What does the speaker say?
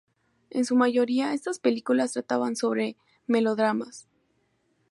En su mayoría, estas películas trataban sobre melodramas.